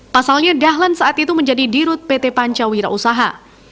pasalnya dahlan saat itu menjadi dirut pt pancawira usaha